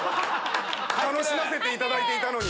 楽しませていただいていたのに。